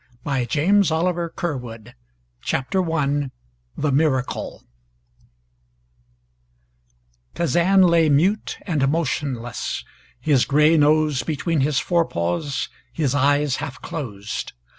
THE CALL OF SUN ROCK CHAPTER I THE MIRACLE Kazan lay mute and motionless, his gray nose between his forepaws, his eyes half closed.